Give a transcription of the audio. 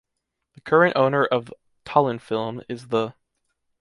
The current owner of Tallinnfilm is the...